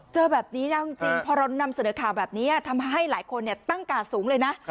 เจอแบบนี้นะจริงพอเรานำเสนอข่าวแบบนี้ทำให้หลายคนตั้งกาดสูงเลยนะ